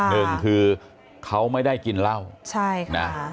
หนึ่งคือเขาไม่ได้กินเหล้าใช่ค่ะนะ